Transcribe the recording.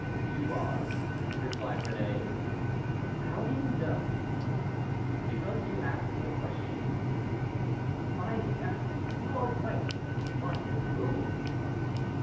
"You are," replied Réné. "How do you know?" "Because you asked the question." "By Heaven! you are right. But with whom?"